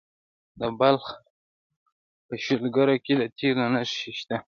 د بلخ په شولګره کې د تیلو نښې شته.